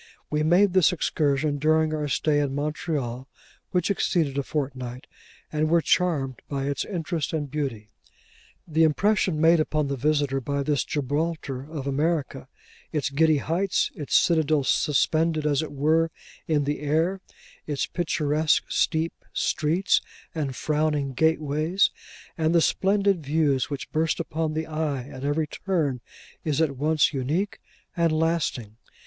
We made this excursion during our stay in Montreal (which exceeded a fortnight), and were charmed by its interest and beauty. The impression made upon the visitor by this Gibraltar of America: its giddy heights; its citadel suspended, as it were, in the air; its picturesque steep streets and frowning gateways; and the splendid views which burst upon the eye at every turn: is at once unique and lasting.